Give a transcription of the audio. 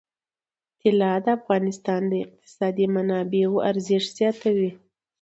طلا د افغانستان د اقتصادي منابعو ارزښت زیاتوي.